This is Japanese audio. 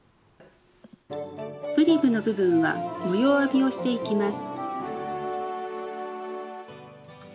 ブリムの部分は模様編みをしていきます。